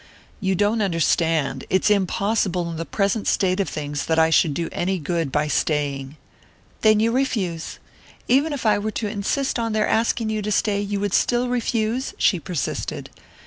"You don't understand. It's impossible in the present state of things that I should do any good by staying." "Then you refuse? Even if I were to insist on their asking you to stay, you would still refuse?" she persisted.